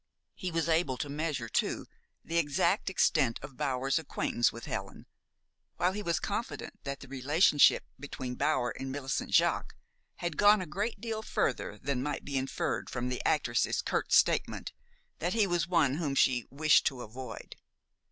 He was able to measure too the exact extent of Bower's acquaintance with Helen, while he was confident that the relationship between Bower and Millicent Jaques had gone a great deal further than might be inferred from the actress's curt statement that he was one whom she "wished to avoid."